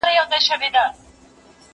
زه پرون ليک لولم وم!!